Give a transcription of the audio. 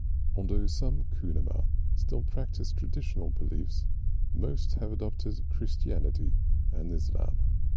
Although some Kunama still practice traditional beliefs, most have adopted Christianity and Islam.